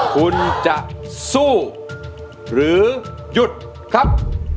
คุณจะสู้หรือหยุดครับ